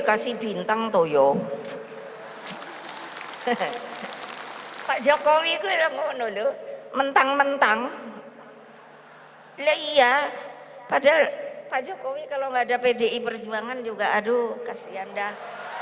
kalau enggak ada pdi perjuangan juga aduh kasihan dah